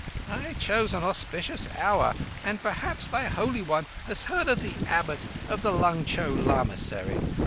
I chose an auspicious hour, and—perhaps thy Holy One has heard of the Abbot of the Lung Cho lamassery.